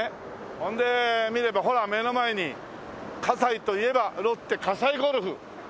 ほんで見ればほら目の前に西といえばロッテ西ゴルフ。